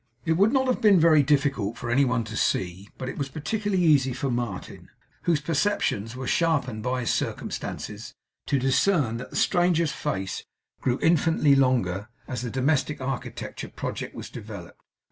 It would not have been very difficult for any one to see; but it was particularly easy for Martin, whose perceptions were sharpened by his circumstances, to discern; that the stranger's face grew infinitely longer as the domestic architecture project was developed.